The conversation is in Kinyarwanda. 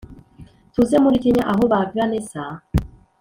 tuze muri kenya aho ba vanessa